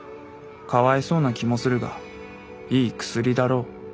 かわいそうな気もするがいい薬だろう。